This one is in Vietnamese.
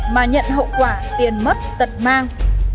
mà nhận hậu quả tiền mất tật mang